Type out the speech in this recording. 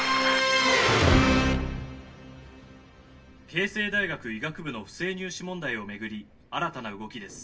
「慶西大学医学部の不正入試問題をめぐり新たな動きです」